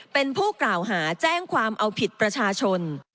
เป็นผู้กล่าวหาแจ้งความเอาผิดประชาชน